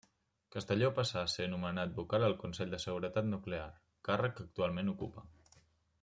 Castelló passà a ser nomenat vocal al Consell de Seguretat Nuclear, càrrec que actualment ocupa.